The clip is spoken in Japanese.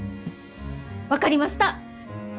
分かりました！